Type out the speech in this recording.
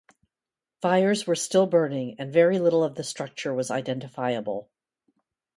Fires were still burning and very little of the structure was identifiable.